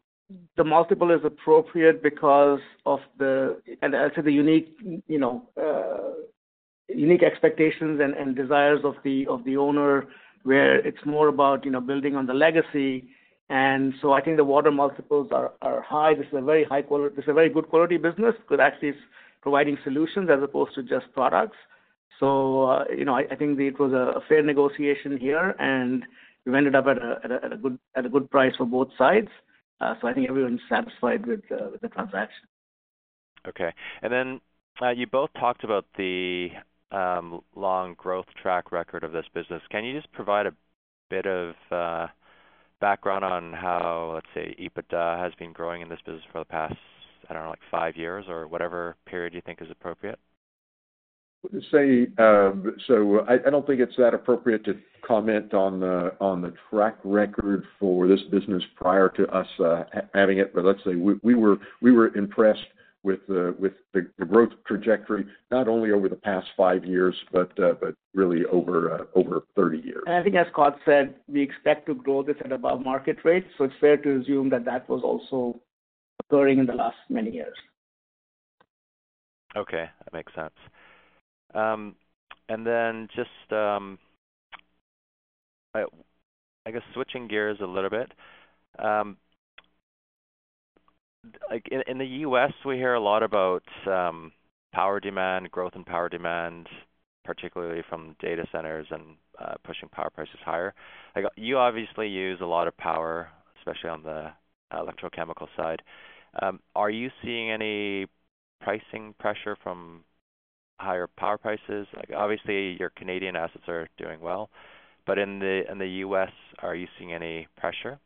multiple is appropriate because of the, and I'll say the unique expectations and desires of the owner, where it's more about building on the legacy. I think the water multiples are high. This is a very good quality business because actually it's providing solutions as opposed to just products. I think it was a fair negotiation here, and we ended up at a good price for both sides. I think everyone's satisfied with the transaction. Okay. You both talked about the long growth track record of this business. Can you just provide a bit of background on how, let's say, EBITDA has been growing in this business for the past, I don't know, like five years or whatever period you think is appropriate? I don't think it's that appropriate to comment on the track record for this business prior to us having it, but let's say we were impressed with the growth trajectory, not only over the past five years, but really over 30 years. As Scott said, we expect to grow this at above market rates. It is fair to assume that that was also occurring in the last many years. Okay, that makes sense. Just switching gears a little bit. In the U.S., we hear a lot about power demand, growth in power demand, particularly from data centers and pushing power prices higher. You obviously use a lot of power, especially on the electrochemical side. Are you seeing any pricing pressure from higher power prices? Obviously, your Canadian assets are doing well. In the U.S., are you seeing any pressure?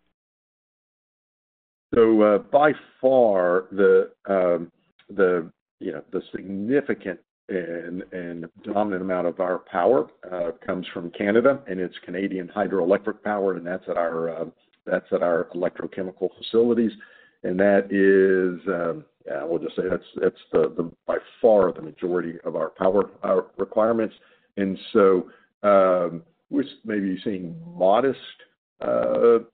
By far, the significant and dominant amount of our power comes from Canada, and it's Canadian hydroelectric power, and that's at our electrochemical facilities. That is, yeah, we'll just say that's by far the majority of our power requirements. We're maybe seeing modest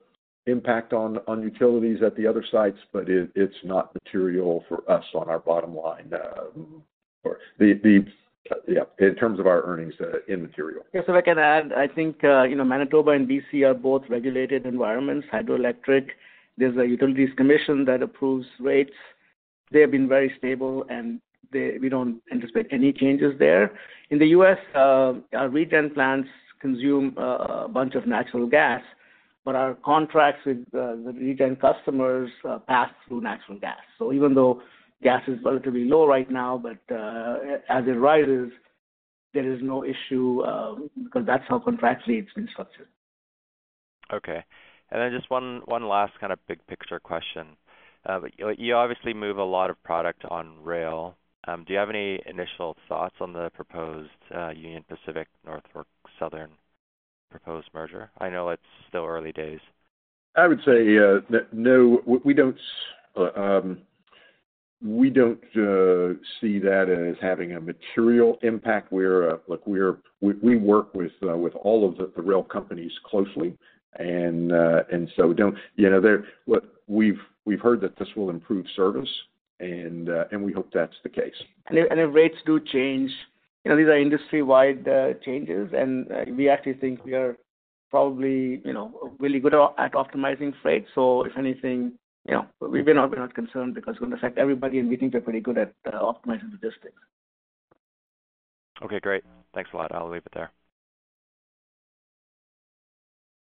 impact on utilities at the other sites, but it's not material for us on our bottom line, in terms of our earnings in material. I think Manitoba and BC are both regulated environments, hydroelectric. There's a Utilities Commission that approves rates. They have been very stable, and we don't anticipate any changes there. In the U.S., our Regen plants consume a bunch of natural gas, but our contracts with the Regen customers pass through natural gas. Even though gas is relatively low right now, as it rises, there is no issue because that's how contractually it's been structured. Okay. Just one last kind of big picture question. You obviously move a lot of product on rail. Do you have any initial thoughts on the proposed Union Pacific North or Southern proposed merger? I know it's still early days. I would say no. We don't see that as having a material impact. We work with all of the rail companies closely. We've heard that this will improve service, and we hope that's the case. If rates do change, these are industry-wide changes, and we actually think we are probably really good at optimizing freight. If anything, we're not concerned because in fact, everybody in Chemtrade is pretty good at optimizing logistics. Okay, great. Thanks a lot. I'll leave it there.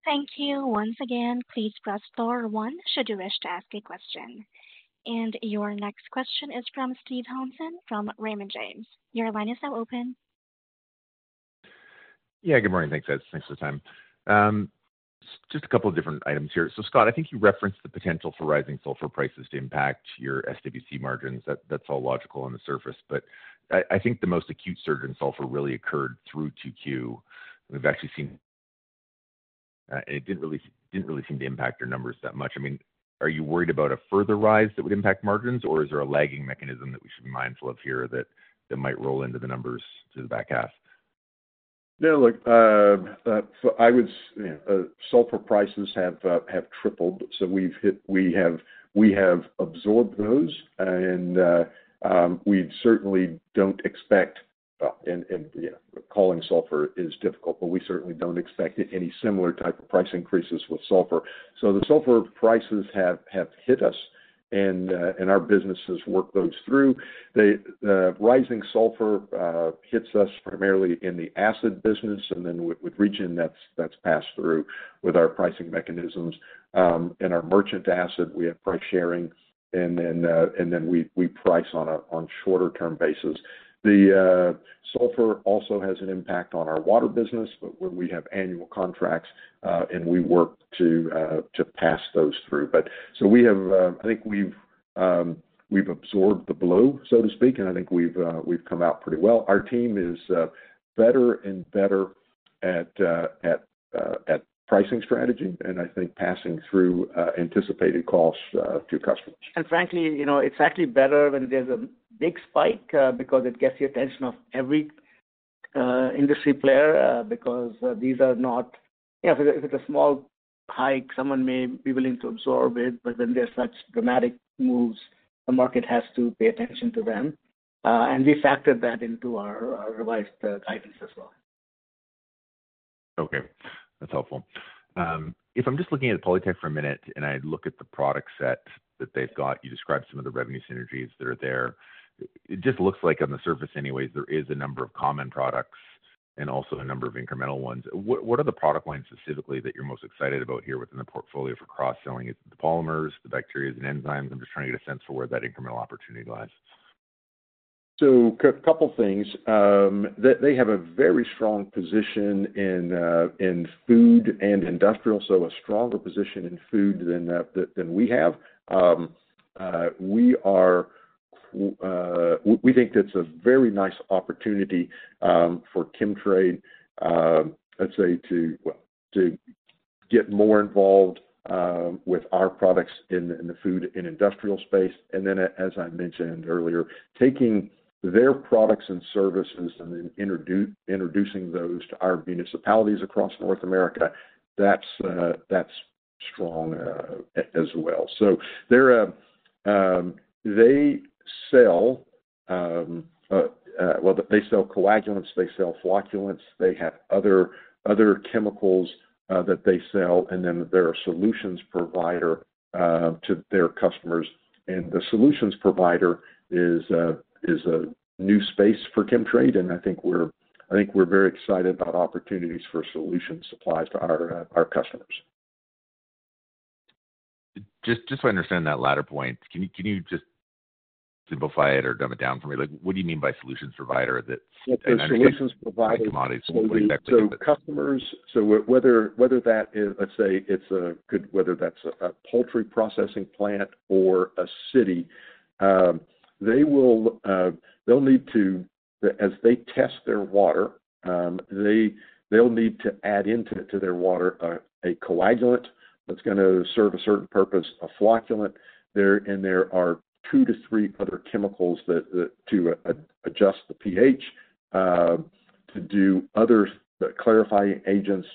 Thank you. Once again, please press star one should you wish to ask a question. Your next question is from Steven Hansen from Raymond James. The line is now open. Yeah, good morning. Thanks, guys. Thanks for the time. Just a couple of different items here. Scott, I think you referenced the potential for rising sulfur prices to impact your SWC margins. That's all logical on the surface. I think the most acute surge in sulfur really occurred through 2Q, and we've actually seen it didn't really seem to impact your numbers that much. I mean, are you worried about a further rise that would impact margins, or is there a lagging mechanism that we should be mindful of here that might roll into the numbers to the back half? Yeah, look, I would say sulfur prices have tripled. We have absorbed those, and we certainly don't expect, you know, calling sulfur is difficult, but we certainly don't expect any similar type of price increases with sulfur. The sulfur prices have hit us, and our businesses work those through. The rising sulfur hits us primarily in the acid business, and with Regen, that's passed through with our pricing mechanisms. In our Merchant Acid, we have price sharing, and we price on a shorter-term basis. The sulfur also has an impact on our water business, but when we have annual contracts, we work to pass those through. I think we've absorbed the blue, so to speak, and I think we've come out pretty well. Our team is better and better at pricing strategy, and I think passing through anticipated costs to customers. Frankly, you know, it's actually better when there's a big spike because it gets the attention of every industry player. These are not, you know, if it's a small hike, someone may be willing to absorb it, but when there's such dramatic moves, the market has to pay attention to them. We factored that into our revised guidance as well. Okay, that's helpful. If I'm just looking at Polytec for a minute and I look at the product set that they've got, you described some of the revenue synergies that are there. It just looks like on the surface anyway, there is a number of common products and also a number of incremental ones. What are the product lines specifically that you're most excited about here within the portfolio for cross-selling? The polymers, the bacteria, and enzymes? I'm just trying to get a sense for where that incremental opportunity lies. A couple of things. They have a very strong position in food and industrial, a stronger position in food than we have. We think that's a very nice opportunity for Chemtrade, let's say, to get more involved with our products in the food and industrial space. As I mentioned earlier, taking their products and services and introducing those to our municipalities across North America, that's strong as well. They sell coagulants, they sell flocculants, they have other chemicals that they sell, and they're a solutions provider to their customers. The solutions provider is a new space for Chemtrade, and I think we're very excited about opportunities for solutions supplied to our customers. Just so I understand that latter point, can you just simplify it or dumb it down for me? Like, what do you mean by solutions provider? Solutions providers will. Customers, whether that is, let's say, it's a good, whether that's a poultry processing plant or a city, they'll need to, as they test their water, they'll need to add into their water a coagulant that's going to serve a certain purpose, a flocculant. There are two to three other chemicals to adjust the pH, to do other clarifying agents,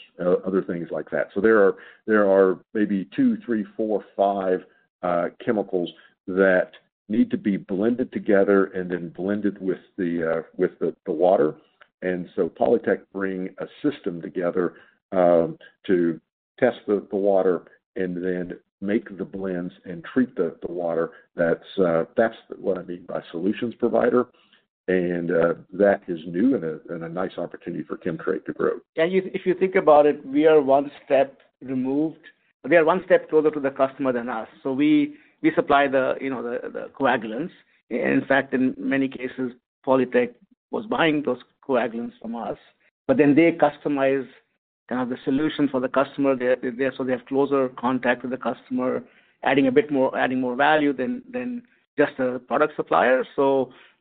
other things like that. There are maybe two, three, four, five chemicals that need to be blended together and then blended with the water. Polytec brings a system together to test the water and then make the blends and treat the water. That's what I mean by solutions provider. That is new and a nice opportunity for Chemtrade to grow. If you think about it, we are one step removed. We are one step closer to the customer than us. We supply the coagulants. In fact, in many cases, Polytec was buying those coagulants from us. They customize the solution for the customer. They have closer contact with the customer, adding more value than just a product supplier.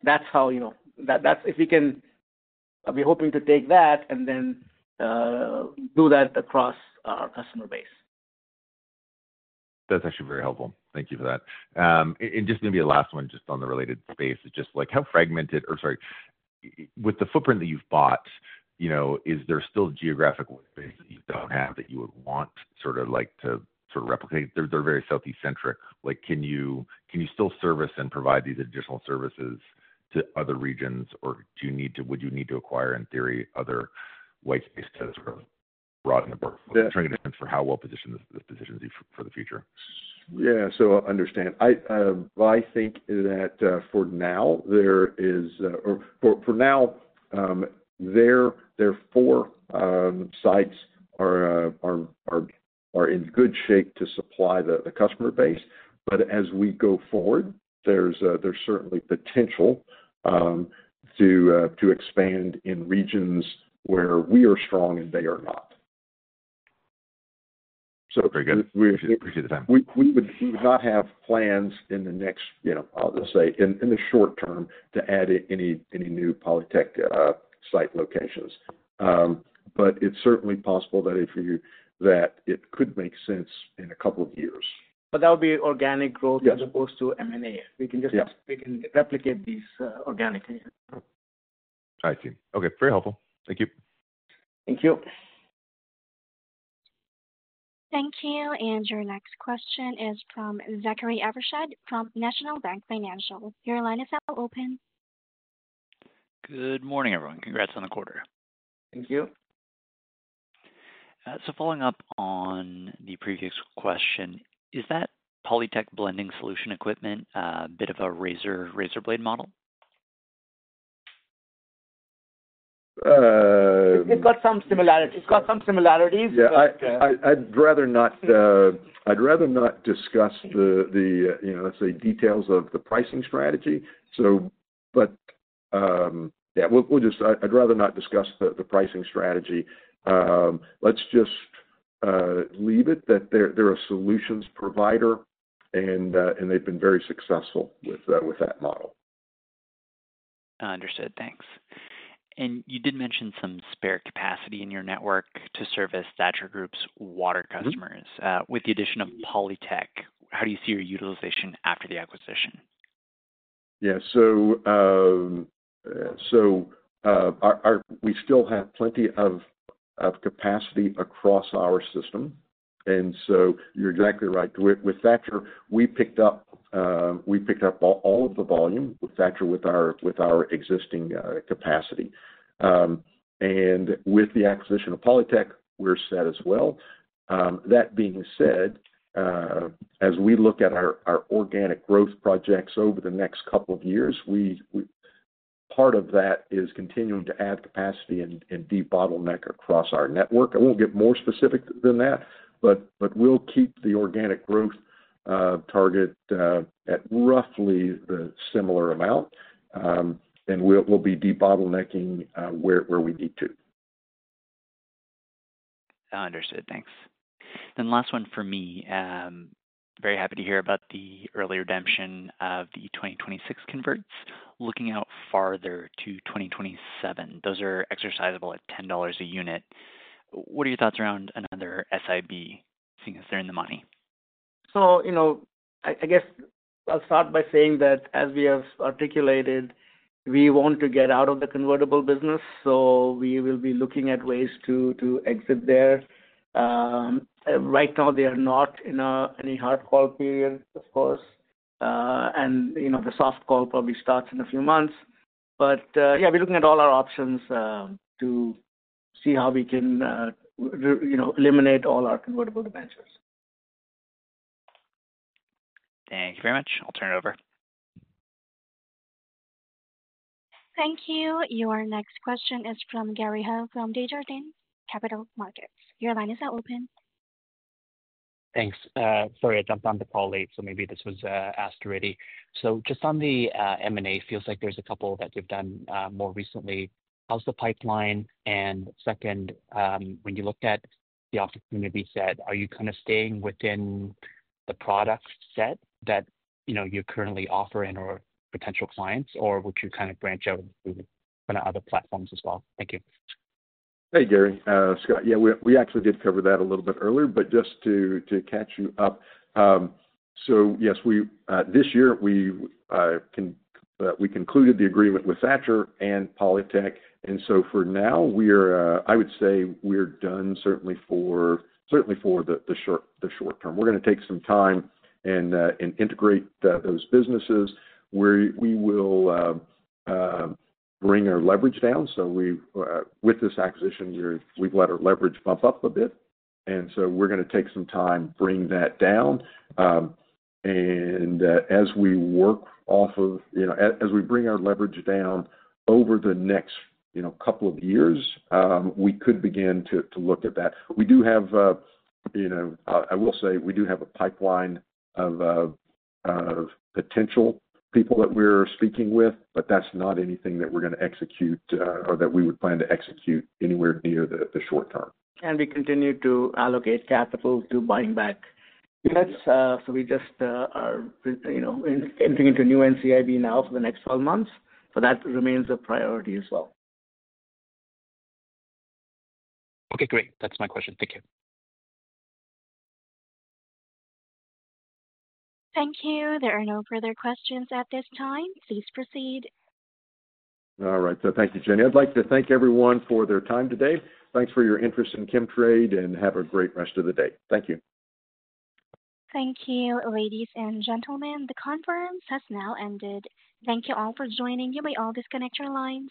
That's how, you know, we're hoping to take that and then do that across our customer base. That's actually very helpful. Thank you for that. Just maybe a last one on the related space. With the footprint that you've bought, is there still geographic white space that you don't have that you would want to sort of replicate? They're very southeast-centric. Can you still service and provide these additional services to other regions, or would you need to acquire in theory other white space because it's growing broad in the board? I'm trying to answer for how well positioned this position is for the future. I understand. I think that for now, their four sites are in good shape to supply the customer base. As we go forward, there's certainly potential to expand in regions where we are strong and they are not. Okay, good. We appreciate the time. We would not have plans in the next, you know, I'll just say in the short term to add any new Polytec site locations. It's certainly possible that it could make sense in a couple of years. That would be organic growth as opposed to M&A. We can replicate these organically. I see. Okay, very helpful. Thank you. Thank you. Thank you. Your next question is from Zachary Evershed from National Bank Financial. Your line is now open. Good morning, everyone. Congrats on the quarter. Thank you. Is that Polytec blending solution equipment a bit of a razor blade model? It's got some similarities. I'd rather not discuss the details of the pricing strategy. I'd rather not discuss the pricing strategy. Let's just leave it that they're a solutions provider, and they've been very successful with that model. Understood. Thanks. You did mention some spare capacity in your network to service Thatcher Group's water customers. With the addition of Polytec, how do you see your utilization after the acquisition? Yeah, we still have plenty of capacity across our system. You're exactly right. With Thatcher, we picked up all of the volume with Thatcher with our existing capacity. With the acquisition of Polytec, we're set as well. That being said, as we look at our organic growth projects over the next couple of years, part of that is continuing to add capacity and debottleneck across our network. I won't get more specific than that, but we'll keep the organic growth target at roughly the similar amount, and we'll be debottlenecking where we need to. Understood. Thanks. Last one for me. Very happy to hear about the early redemption of the 2026 converts. Looking out farther to 2027, those are exercisable at $10 a unit. What are your thoughts around another SIB, seeing as they're in the money? I guess I'll start by saying that as we have articulated, we want to get out of the convertible business. We will be looking at ways to exit there. Right now, they are not in any hard call period, of course. The soft call probably starts in a few months. We're looking at all our options to see how we can eliminate all our convertible advantages. Thank you very much. I'll turn it over. Thank you. Your next question is from Gary Ho from Desjardins Capital Markets. Your line is now open. Thanks. Sorry, I jumped on the call late, so maybe this was asked already. Just on the M&A, it feels like there's a couple that we've done more recently. How's the pipeline? When you look at the opportunity set, are you kind of staying within the product set that you know you're currently offering or potential clients, or would you kind of branch out into other platforms as well? Thank you. Hey, Gary. Scott, yeah, we actually did cover that a little bit earlier, but just to catch you up. Yes, this year we concluded the agreement with Thatcher and Polytec. For now, I would say we're done certainly for the short term. We're going to take some time and integrate those businesses where we will bring our leverage down. With this acquisition, we've let our leverage bump up a bit. We're going to take some time to bring that down. As we bring our leverage down over the next couple of years, we could begin to look at that. We do have, I will say, we do have a pipeline of potential people that we're speaking with, but that's not anything that we're going to execute or that we would plan to execute anywhere near the short term. We continue to allocate capital to buying back units. We are entering into new NCIB now for the next 12 months. That remains a priority as well. Okay, great. That's my question. Thank you. Thank you. There are no further questions at this time. Please proceed. All right. Thank you, Jenny. I'd like to thank everyone for their time today. Thanks for your interest in Chemtrade and have a great rest of the day. Thank you. Thank you, ladies and gentlemen. The conference has now ended. Thank you all for joining. You may all disconnect your lines.